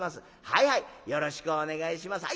はいはいよろしくお願いします。